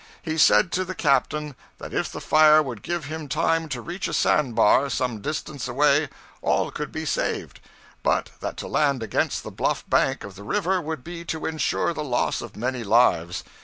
He said to the captain that if the fire would give him time to reach a sand bar, some distance away, all could be saved, but that to land against the bluff bank of the river would be to insure the loss of many lives.